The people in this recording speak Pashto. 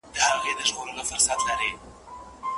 لارښود به د څېړونکو ترمنځ همغږي رامنځته کوي.